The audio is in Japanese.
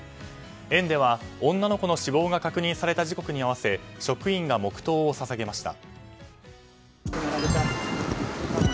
園では、女の子の死亡が確認された時刻に合わせ職員が黙祷を捧げました。